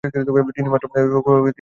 তিনি মাত্র তিন মাসে কুরআন হিফজ করেন।